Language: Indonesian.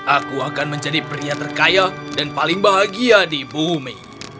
aku akan menjadi pria terkaya dan paling bahagia di bumi